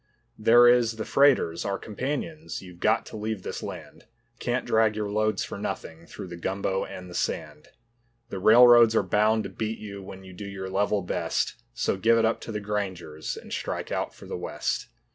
There is the freighters, our companions, you've got to leave this land, Can't drag your loads for nothing through the gumbo and the sand. The railroads are bound to beat you when you do your level best; So give it up to the grangers and strike out for the west.